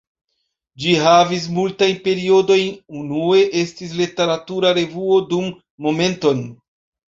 Ĝi havis multajn periodojn, unue estis literatura revuo dum Momenton!